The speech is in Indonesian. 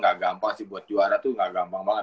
gak gampang sih buat juara tuh gak gampang banget